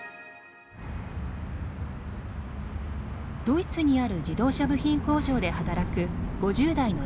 ドイツにある自動車部品工場で働く５０代の男性。